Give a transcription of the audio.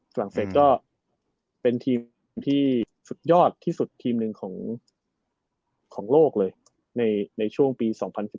ฝรั่งเศสก็เป็นทีมที่สุดยอดที่สุดทีมหนึ่งของโลกเลยในช่วงปี๒๐๑๘